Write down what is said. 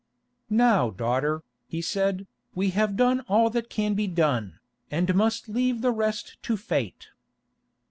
"Now daughter," he said, "we have done all that can be done, and must leave the rest to fate."